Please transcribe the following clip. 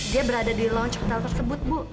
dia berada di lounge hotel tersebut bu